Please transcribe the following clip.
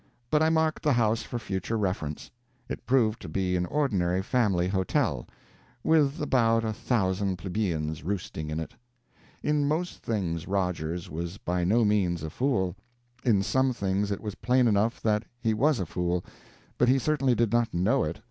But I marked the house for future reference. It proved to be an ordinary family hotel, with about a thousand plebeians roosting in it. In most things Rogers was by no means a fool. In some things it was plain enough that he was a fool, but he certainly did not know it.